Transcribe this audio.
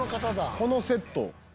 このセット。